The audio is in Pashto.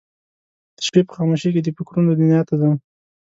د شپې په خاموشۍ کې د فکرونه دنیا ته ځم